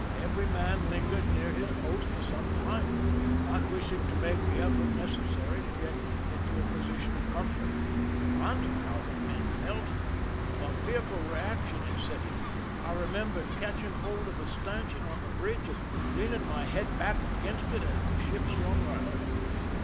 Every man lingered near his post for some time, nob wishing to make the effort necessary to get into a ])osition of comfort. I knew how the men felt. A fearful reaction had set in. I re member catching hold of a stanchion on the bridge and leaning ray head back against it as the ship swung around.